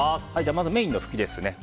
まず、メインのフキです。